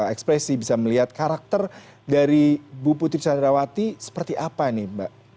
ekspresi bisa melihat karakter dari bu putri candrawati seperti apa nih mbak